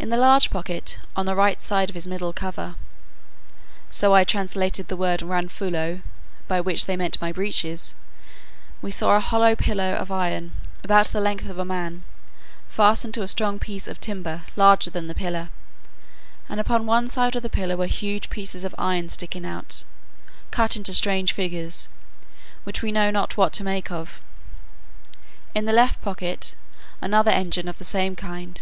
In the large pocket, on the right side of his middle cover" (so I translate the word ranfulo, by which they meant my breeches,) "we saw a hollow pillar of iron, about the length of a man, fastened to a strong piece of timber larger than the pillar; and upon one side of the pillar, were huge pieces of iron sticking out, cut into strange figures, which we know not what to make of. In the left pocket, another engine of the same kind.